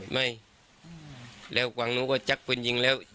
ไม่พูดอะไรเลย